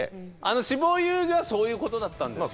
「死亡遊戯」はそういうことだったんですよ。